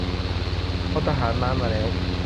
พลทหารม้ามาแล้ว